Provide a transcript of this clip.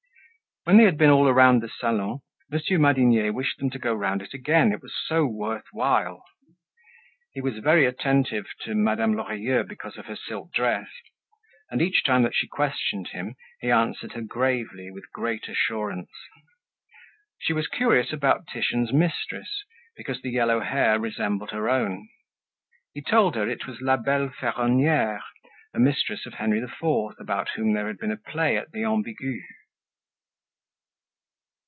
When they had been all around the Salon, Monsieur Madinier wished them to go round it again, it was so worth while. He was very attentive to Madame Lorilleux, because of her silk dress; and each time that she questioned him he answered her gravely, with great assurance. She was curious about "Titian's Mistress" because the yellow hair resembled her own. He told her it was "La Belle Ferronniere," a mistress of Henry IV. about whom there had been a play at the Ambigu.